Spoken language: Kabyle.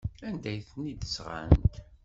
Anda ay ten-id-sɣant?